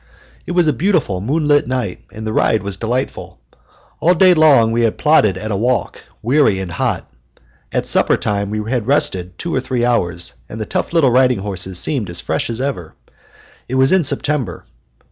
It was a beautiful moonlight night, and the ride was delightful. All day long we had plodded at a walk, weary and hot. At supper time we had rested two or three hours, and the tough little riding horses seemed as fresh as ever. It was in September.